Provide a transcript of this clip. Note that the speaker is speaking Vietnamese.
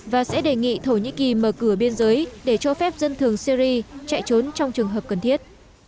và sẽ đề nghị thổ nhĩ kỳ mở cửa biên giới để cho phép dân thường syri chạy trốn trong trường hợp cần thiết